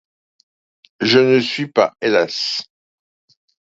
Je ne suis pas, hélas!